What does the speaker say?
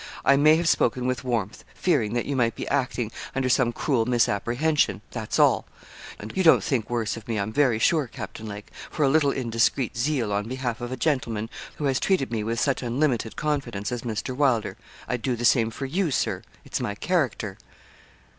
I may have spoken with warmth, fearing that you might be acting under some cruel misapprehension that's all; and you don't think worse of me, I'm very sure, Captain Lake, for a little indiscreet zeal on behalf of a gentleman who has treated me with such unlimited confidence as Mr. Wylder. I'd do the same for you, Sir; it's my character.'